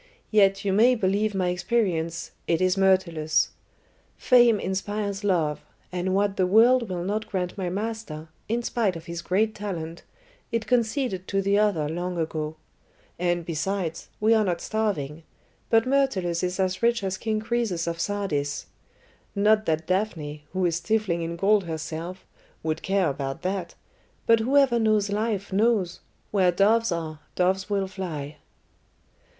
"Yet you may believe my experience, it is Myrtilus. Fame inspires love, and what the world will not grant my master, in spite of his great talent, it conceded to the other long ago. And, besides, we are not starving; but Myrtilus is as rich as King Croesus of Sardis. Not that Daphne, who is stifling in gold herself, would care about that, but whoever knows life knows where doves are, doves will fly."